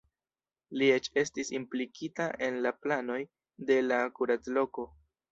Li eĉ estis implikita en la planoj de la kuracloko.